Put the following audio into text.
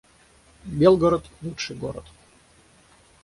Белгород — лучший город